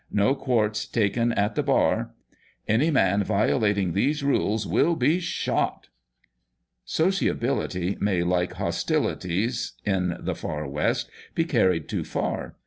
No quartz taken at the bar. Any man violating these rules will be SHOT." Sociability may, like hostilities, in the Far West, be carried too far.